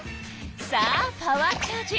さあパワーチャージ！